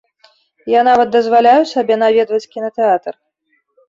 Я нават дазваляю сабе наведваць кінатэатр.